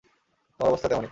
তোমার অবস্থা তেমনি।